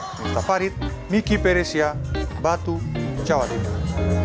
dari menteri parit miki peresia batu jawa tengah